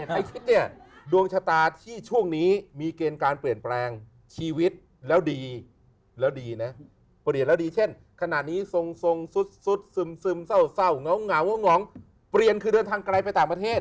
ใครคิดเนี่ยดวงชะตาที่ช่วงนี้มีเกณฑ์การเปลี่ยนแปลง